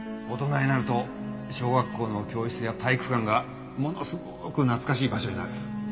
大人になると小学校の教室や体育館がものすごく懐かしい場所になる。